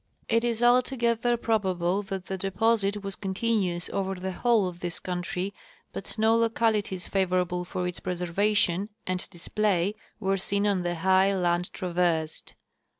It is altogether probable that the deposit was continuous over the whole of this country, but ho localities favorable for its preservation and display were seen on the high land traversed.